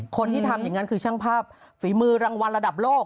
คนที่ทำอย่างนั้นคือช่างภาพฝีมือรางวัลระดับโลก